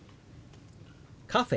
「カフェ」。